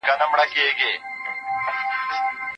دوی بايد يو د بل محبت، احترام او ښه تعامل ته وهڅول سي.